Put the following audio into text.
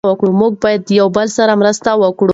موږ باید د یو بل سره مرسته وکړو.